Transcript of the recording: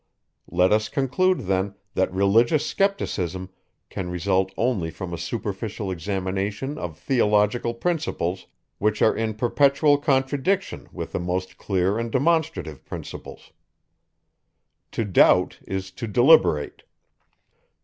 Let us conclude then, that religious scepticism can result only from a superficial examination of theological principles, which are in perpetual contradiction with the most clear and demonstrative principles. To doubt, is to deliberate.